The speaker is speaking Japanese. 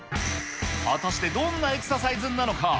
果たしてどんなエクササイズなのか。